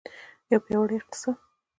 یو پیاوړی اقتصاد.